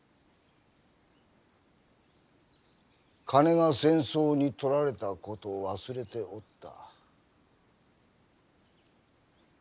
鐘が戦争に取られた事を忘れておった。